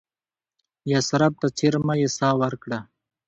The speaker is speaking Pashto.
یثرب ته څېرمه یې ساه ورکړه.